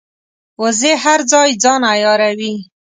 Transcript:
وزې هر ځای ځان عیاروي